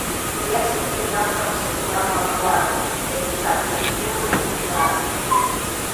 Li hèsqui senhaus ara senhora Magloire entà que non lo contràrie.